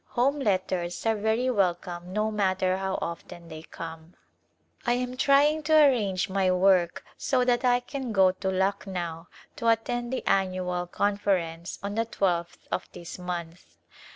Home letters are very welcome no matter how often they come. I am trying to arrange my work so that I can go to Lucknow to attend the Annual Conference on the twelfth of this month.